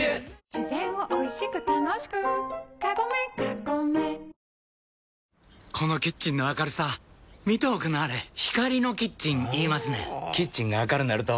自然をおいしく楽しくカゴメカゴメこのキッチンの明るさ見ておくんなはれ光のキッチン言いますねんほぉキッチンが明るなると・・・